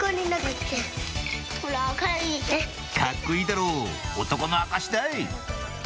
「カッコいいだろう男の証しだい！」